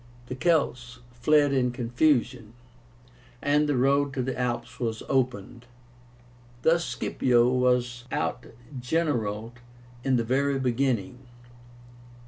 The Celts fled in confusion, and the road to the Alps was opened. Thus Scipio was outgeneralled in the very beginning.